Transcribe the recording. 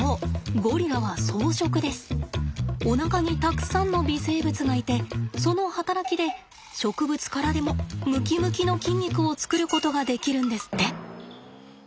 おなかにたくさんの微生物がいてその働きで植物からでもムキムキの筋肉を作ることができるんですって。